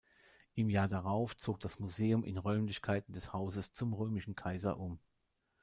Im Jahr darauf zog das Museum in Räumlichkeiten des Hauses Zum Römischen Kaiser um.